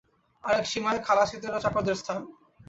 আর এক সীমায় খালাসীদের ও চাকরদের স্থান।